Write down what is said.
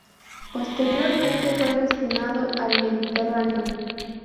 Posteriormente fue destinado al Mediterráneo.